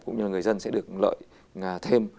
cũng như là người dân sẽ được lợi thêm